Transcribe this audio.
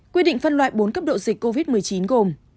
quy định phân loại bốn cấp độ dịch covid một mươi chín gồm